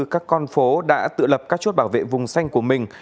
các con phố đã tự lập các chốt bảo vệ vùng xanh của mình